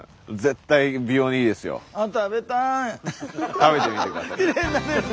食べてみてください。